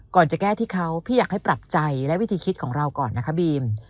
จะแก้ที่เขาพี่อยากให้ปรับใจและวิธีคิดของเราก่อนนะคะบีม